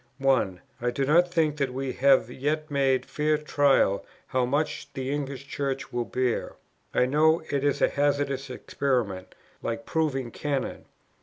"1. I do not think that we have yet made fair trial how much the English Church will bear. I know it is a hazardous experiment, like proving cannon.